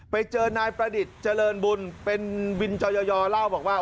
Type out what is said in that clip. ไปเจอนายประดิษฐ์เจริญบุญเป็นวินจอยอเล่าบอกว่า